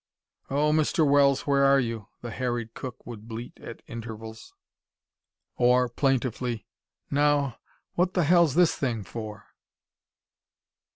"Oh, Mr. Wells, where are you?" the harried cook would bleat at intervals. Or, plaintively: "Now, what the hell's this thing for?"